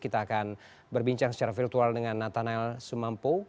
kita akan berbincang secara virtual dengan nathanel sumampo